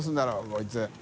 こいつ。